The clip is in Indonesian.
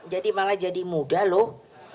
jadi malah jadi muda loh